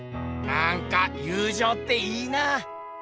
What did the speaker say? なんか友じょうっていいなあ。